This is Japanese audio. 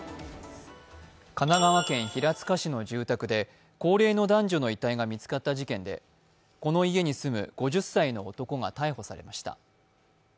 神奈川県平塚市の住宅で高齢の男女の遺体が見つかった事件でこの家に住む５０歳の男が逮捕されました。